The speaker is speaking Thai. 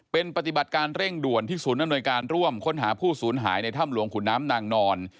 เป็นปฏิบัติการเร่งด่วนที่ศูนย์อำนวยการร่วมค้นหาผู้สูญหายในถ้ำหลวงขุนน้ำนางนอน